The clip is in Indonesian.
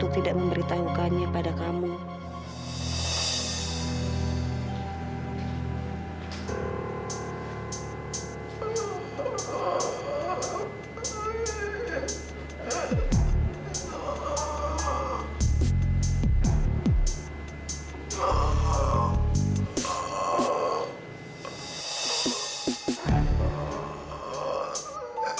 aku sudah menemukan anak kamu itu